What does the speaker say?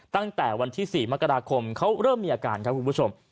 ตั้งแต่วันที่๔มกราคมเขาเริ่มมีอาการครับคุณผู้ชม